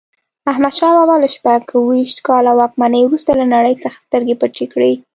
احمدشاه بابا له شپږویشت کاله واکمنۍ وروسته له نړۍ څخه سترګې پټې کړې.